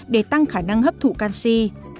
để tăng khả năng hấp thụ canxi